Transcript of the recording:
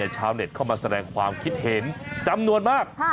ชาวเน็ตเข้ามาแสดงความคิดเห็นจำนวนมาก